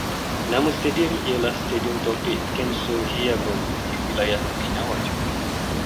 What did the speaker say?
Nama stadium ialah Stadium Tapic Kenso Hiyagon, di Wilayah Okinawa, Jepun